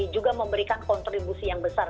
juga memberikan kontribusi yang besar